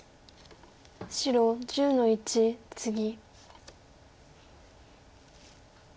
白１０の一ツギ。